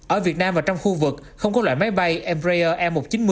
ở việt nam và trong khu vực không có loại máy bay embraer e một trăm chín mươi